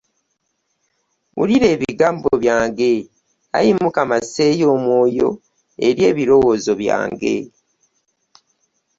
Wulira ebigambo byange Ai Mukama asseeyo omwoyo eri ebilowoozo byange.